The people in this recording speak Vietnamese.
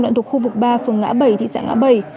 đoạn thuộc khu vực ba phường ngã bảy thị xã ngã bảy